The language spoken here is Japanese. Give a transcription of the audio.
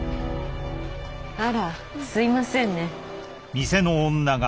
あらすいませんね。